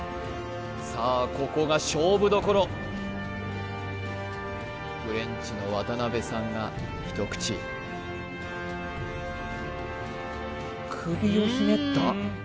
さあここが勝負どころフレンチの渡辺さんが一口首をひねった？